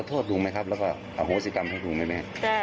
เพราะว่าลุงแก่แล้วแม่กลัวเขาไปตายในคุบค่ะ